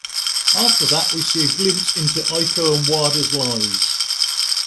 After that, we see a glimpse into Eiko and Wada's lives.